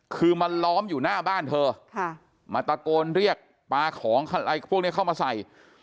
คือมาล้อมอยู่หน้าบ้านเธอมาตะโกนเรียกปลาของอะไรพวกนี้เข้ามาใส่